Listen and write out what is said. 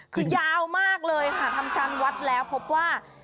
คือยาวมากเลยค่ะทำการวัดแล้วพบว่า